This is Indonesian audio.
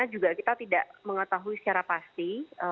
juga kita tidak mengetahui secara pasti